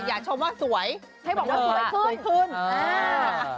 อย่าชมว่าสวยให้บอกว่าสวยขึ้น